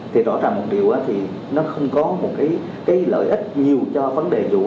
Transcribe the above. thì rõ ràng một điều là nó không có một cái lợi ích nhiều cho vấn đề vụ